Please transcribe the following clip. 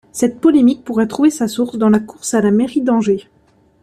Cette polémique pourrait trouver sa source dans la course à la mairie d'Angers.